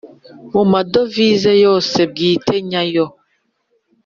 mu madovize yose bwite nyayo